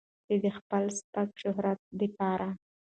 چې د خپل سپک شهرت د پاره